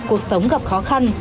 cuộc sống gặp khó khăn